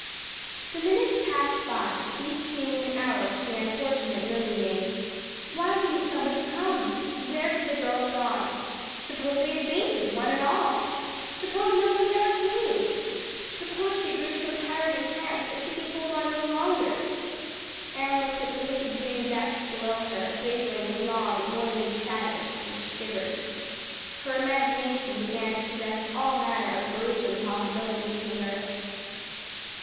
The minutes passed by, each seeming an hour to the unfortunate lily maid. Why didn't somebody come? Where had the girls gone? Suppose they had fainted, one and all! Suppose nobody ever came! Suppose she grew so tired and cramped that she could hold on no longer! Anne looked at the wicked green depths below her, wavering with long, oily shadows, and shivered. Her imagination began to suggest all manner of gruesome possibilities to her.